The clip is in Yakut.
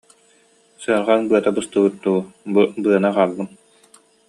Сыарҕаҥ быата быстыбыт дуу, бу быаны аҕаллым